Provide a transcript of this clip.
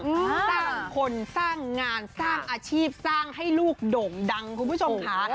สร้างคนสร้างงานสร้างอาชีพสร้างให้ลูกโด่งดังคุณผู้ชมค่ะ